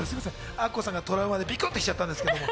アッコさんがトラウマでビクっとしちゃったんですけど。